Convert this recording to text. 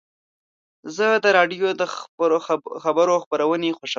زه د راډیو د خبرو خپرونې خوښوم.